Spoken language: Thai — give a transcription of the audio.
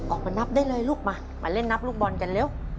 นับได้เลยลูกมามาเล่นนับลูกบอลกันเร็ว